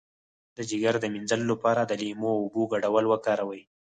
د ځیګر د مینځلو لپاره د لیمو او اوبو ګډول وکاروئ